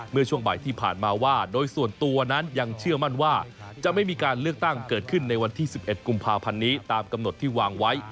เมื่อช่วงบ่ายที่ผ่านมาว่าโดยส่วนตัวนั้นยังเชื่อมั่นว่าจะไม่มีการเลือกตั้งเกิดขึ้นในวันที่๑๑กุมภาพันธ์นี้ตามกำหนดที่วางไว้